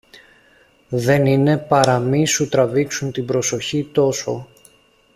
δεν είναι παρά μη σου τραβήξουν την προσοχή τόσο